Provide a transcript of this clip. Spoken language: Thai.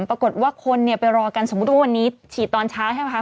ปรากฏว่าคนเนี่ยไปรอกันสมมุติว่าวันนี้ฉีดตอนเช้าใช่ไหมคะ